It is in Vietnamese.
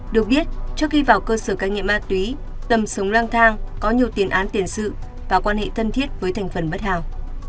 được biết trước khi vào cơ sở cai nghiện ma túy tầm sống lang thang có nhiều tiền án tiền sự và quan hệ thân thiết với thành phần bất hào